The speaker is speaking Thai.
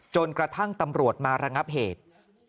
จนกระทั่งตำรวจมาระงับเหตุ